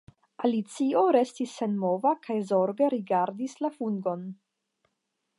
Alicio restis senmova kaj zorge rigardis la fungon.